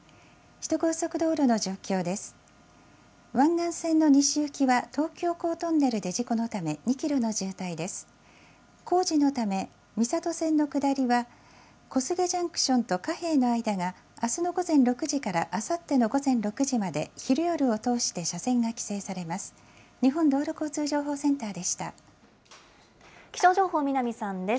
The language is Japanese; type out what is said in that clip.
首都高速道路の状況です。